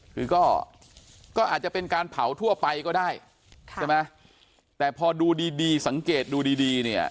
คือก็ก็อาจจะเป็นการเผาทั่วไปก็ได้ค่ะใช่ไหมแต่พอดูดีดีสังเกตดูดีดีเนี่ย